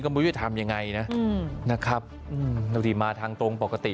ก็ไม่รู้จะทำยังไงนะนะครับบางทีมาทางตรงปกติ